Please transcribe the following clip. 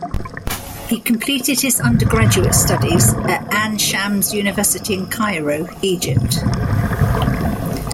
He completed his undergraduate studies at Ain Shams University in Cairo, Egypt.